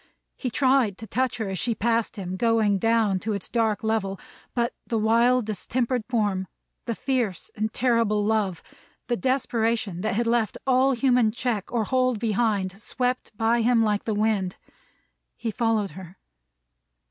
He tried to touch her as she passed him, going down to its dark level; but, the wild distempered form, the fierce and terrible love, the desperation that had left all human check or hold behind, swept by him like the wind. He followed her.